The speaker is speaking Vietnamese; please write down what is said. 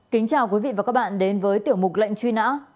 kính chào quý vị và các bạn đến với tiểu mục lệnh truy nã